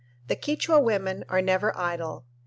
The Quichua women are never idle.